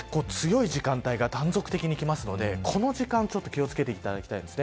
結構強い時間帯が、断続的にきますので、この時間ちょっと気を付けていただきたいです。